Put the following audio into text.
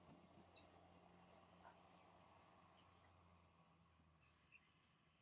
Aparece mencionado como casa cabo de armería en la nómina oficial del Reino.